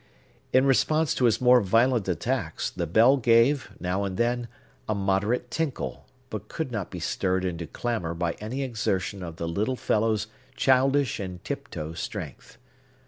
In response to his more violent attacks, the bell gave, now and then, a moderate tinkle, but could not be stirred into clamor by any exertion of the little fellow's childish and tiptoe strength.